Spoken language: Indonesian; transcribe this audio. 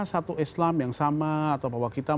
satu islam yang sama atau bahwa kita